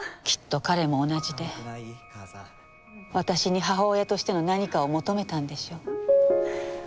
きっと彼も同じで私に母親としての何かを求めたんでしょう。